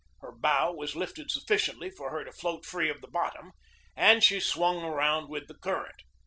Her bow was lifted sufficiently for her to float free of the bottom, and she swung around with the current.